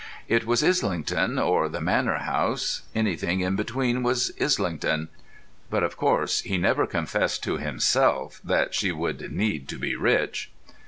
It was Islington or The Manor House; anything in between was Islington. But, of course, he never confessed to himself that she would need to be rich.